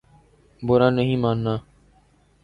برا نہیں ماننا